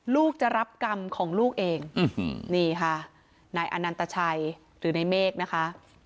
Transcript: ลูกจะรับกรรมของลูกเองนี่ค่ะนายอนันตชัยหรือในเมฆนะคะ